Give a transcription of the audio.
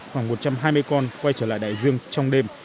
khoảng một trăm hai mươi con quay trở lại đại dương trong đêm